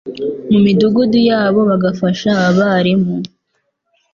mu midugudu yabo bagafasha abarimu